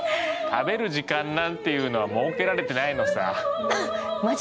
食べる時間なんていうのはもうけられてないのさ。